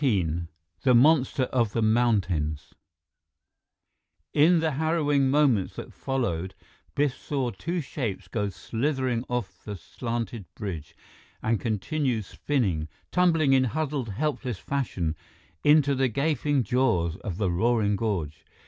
XVII The Monster of the Mountains In the harrowing moments that followed, Biff saw two shapes go slithering off the slanted bridge and continue spinning, tumbling in huddled helpless fashion into the gaping jaws of the roaring gorge.